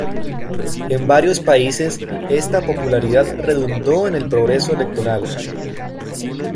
En varios países esta popularidad redundó en el progreso electoral.